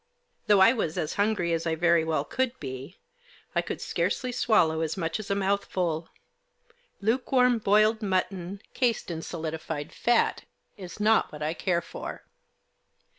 Though I was as hungry as I very well could be I could scarcely swallow as much as a mouthful ; lukewarm boiled mutton cased in solidified fat is not what I care i 2 THE JOSS. for.